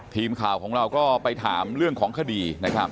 ทีมข่าวของเราก็ไปถามเรื่องของคดีนะครับ